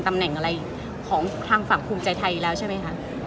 ตำแหน่งอะไรของทางฝั่งภูมิใจไทยแล้วใช่ไหมคะ